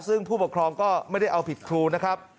ซึ่งผู้ปกครองก็ไม่ได้เอาผิดครูนะครับ